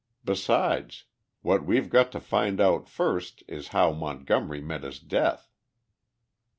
Besides, what we've got to find out first is how Montgomery met his death?"